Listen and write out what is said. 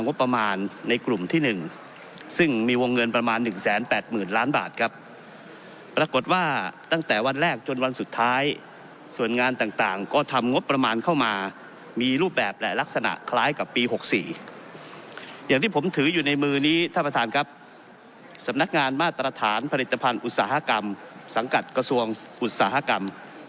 ในกลุ่มที่๑ซึ่งมีวงเงินประมาณ๑๘๐๐๐ล้านบาทครับปรากฏว่าตั้งแต่วันแรกจนวันสุดท้ายส่วนงานต่างก็ทำงบประมาณเข้ามามีรูปแบบและลักษณะคล้ายกับปี๖๔อย่างที่ผมถืออยู่ในมือนี้ท่านประธานครับสำนักงานมาตรฐานผลิตภัณฑ์อุตสาหกรรมสังกัดกระทรวงอุตสาหกรรม